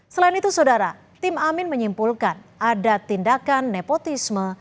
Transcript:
selain itu saudara tim amin menyimpulkan ada tindakan nepotisme